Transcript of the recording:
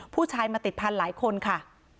ผู้ชายมาติดพันธุ์หลายคนค่ะ